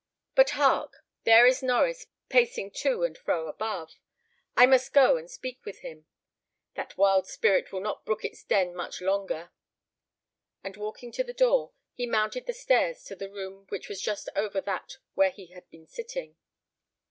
But hark! there is Norries pacing to and fro above. I must go and speak with him. That wild spirit will not brook its den much longer." And walking to the door, he mounted the stairs to the room which was just over that where he had been sitting.